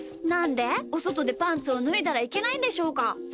なんでおそとでパンツをぬいだらいけないんでしょうか？